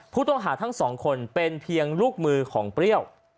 ผู้ต้องหาทั้งสองคนเป็นเพียงลูกมือของเปรี้ยว